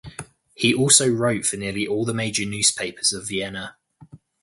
He also wrote for nearly all the major newspapers of Vienna.